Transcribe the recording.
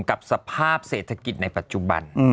กับสภาพเศรษฐกิจในปัจจุบัน